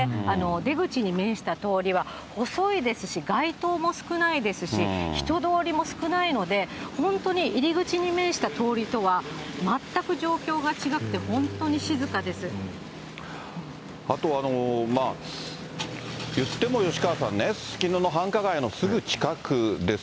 出口に面した通りは、細いですし、街灯も少ないですし、人通りも少ないので、本当に入り口に面した通りとは全く状況がちがくて、あと、言っても吉川さんね、すすきのの繁華街のすぐ近くです。